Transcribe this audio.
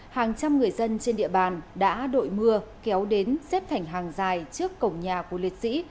hàng trăm người dân trên địa bàn đã đội mưa kéo đến xếp thành hàng dài trước cổng nhà của liệt sĩ